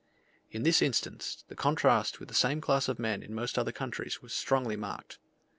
In this instance, the contrast with the same class of men in most other countries was strongly marked.